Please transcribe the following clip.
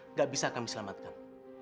nggak bisa kami selamatkan